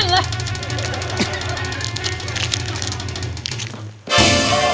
มันพร้อมปวัตตาแหน้งเลย